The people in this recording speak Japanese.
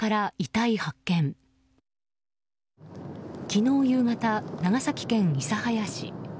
昨日夕方、長崎県諫早市。